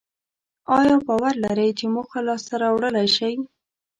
ایا باور لرئ چې موخه لاسته راوړلای شئ؟